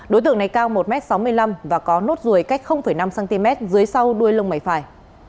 đối tượng này cao một m sáu mươi năm và có nốt ruồi cách năm cm dưới sau đuôi lông mày phải